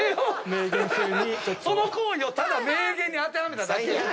その行為をただ名言に当てはめただけやって。